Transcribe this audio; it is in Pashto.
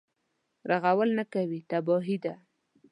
رغول نه کوي تباهي ده.